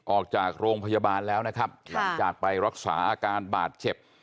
ออกจากโรงพยาบาลแล้วนะครับหลังจากไปรักษาอาการบาดเจ็บ